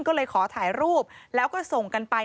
ก็เลยขอถ่ายรูปแล้วก็ส่งกันไป